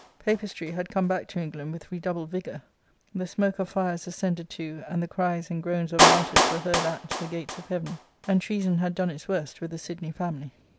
" Papistry " had come back to England with redoubled vigour ; the smoke of fires ascended to, and the cries and groans of martyrs were heard at, the gates of Heaven, and treason Introductory and Biographical Essay, ix had done its worst with the Sidney family.